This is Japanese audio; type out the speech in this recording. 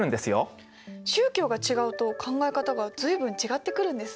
宗教が違うと考え方が随分違ってくるんですね。